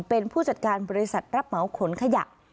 เป็นผู้จัดการบริษัทรับเหมาขนขยะ